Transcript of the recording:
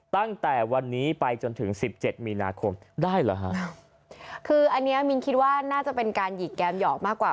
ตั้งแต่วันนี้ไปจนถึงสิบเจ็ดมีนาคมได้เหรอฮะคืออันเนี้ยมินคิดว่าน่าจะเป็นการหยิกแกมหยอกมากกว่า